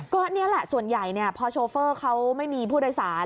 ก็นี่แหละส่วนใหญ่พอโชเฟอร์เขาไม่มีผู้โดยสาร